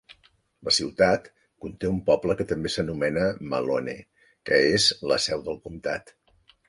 La ciutat conté un poble que també s'anomena Malone, que és la seu del comtat.